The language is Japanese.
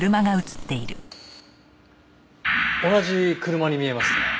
同じ車に見えますね。